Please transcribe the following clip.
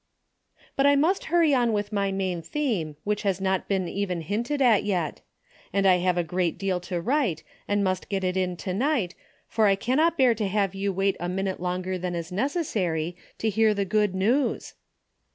" But I must hurry on with my main theme Avhich has not even been hinted at yet. And I have a great deal to Avrite, and must get it in to night, for I cannot bear to have you Avait a minute longer than is necessary to hear the good neAVS.